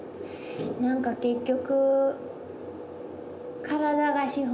何か結局。